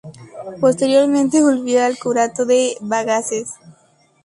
Posteriormente volvió al curato de Bagaces.